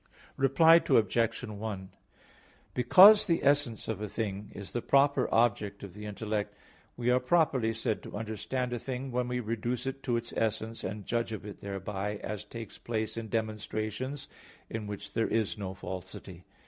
Reply Obj. 1: Because the essence of a thing is the proper object of the intellect, we are properly said to understand a thing when we reduce it to its essence, and judge of it thereby; as takes place in demonstrations, in which there is no falsity.